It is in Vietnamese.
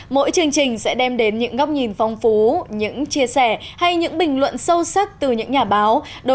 mỗi chương trình sẽ đem đến những góc nhìn phong phú những chia sẻ hay những bình luận sâu sắc từ những nhà báo